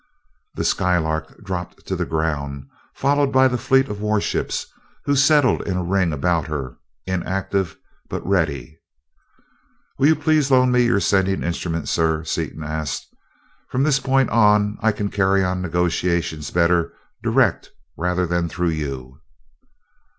The Skylark dropped to the ground, followed by the fleet of warships, who settled in a ring about her inactive, but ready. "Will you please loan me your sending instrument, sir?" Seaton asked. "From this point on I can carry on negotiations better direct than through you."